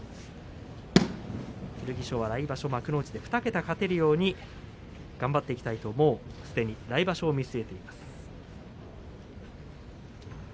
剣翔は来場所、幕内で２桁勝てるように頑張っていきたいと来場所をすでに見据えています。